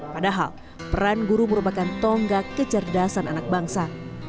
padahal peran guru merupakan tonggak kecerdasan anak bangsa